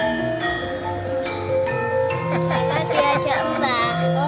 karena diajak embah